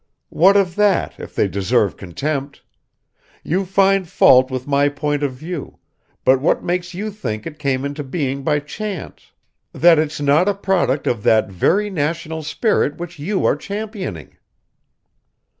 "What of that, if they deserve contempt! You find fault with my point of view, but what makes you think it came into being by chance, that it's not a product of that very national spirit which you are championing?"